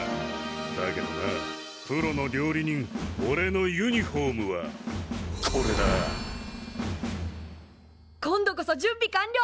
だけどなプロの料理人おれのユニフォームはこれだ！今度こそ準備完了！